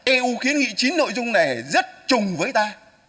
eu kiến nghị chín nội dung này rất chung với ta